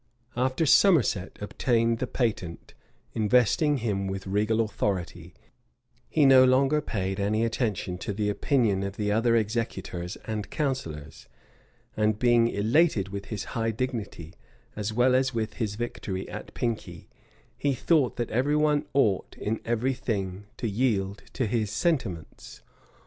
After Somerset obtained the patent investing him with regal authority, he no longer paid any attention to the opinion of the other executors and counsellors; and being elated with his high dignity, as well as with his victory at Pinkey, he thought that every one ought, in every thing, to yield to his sentiments.